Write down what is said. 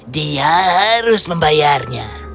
dia harus membayarnya